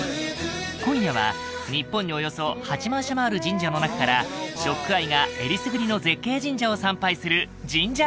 今夜は日本におよそ８万社もある神社の中からＳＨＯＣＫＥＹＥがえりすぐりの絶景神社を参拝する神社